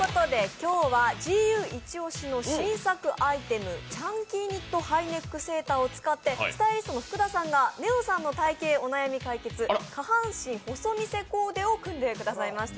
今日はＧＵイチ押しの新作アイテム、チャンキーニットハイネックセーターを使ってスタイリストの福田さんがねおさんの体型お悩み解決、下半身細見せコーデを組んでくれました。